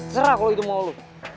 sera kalo itu mau lo